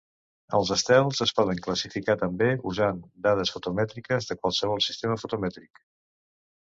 Els estels es poden classificar també usant dades fotomètriques de qualsevol sistema fotomètric.